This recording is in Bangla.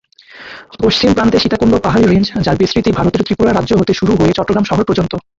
পশ্চিম প্রান্তে সীতাকুণ্ড পাহাড়ী রেঞ্জ, যার বিস্তৃতি ভারতের ত্রিপুরা রাজ্য হতে শুরু হয়ে চট্টগ্রাম শহর পর্য্যন্ত।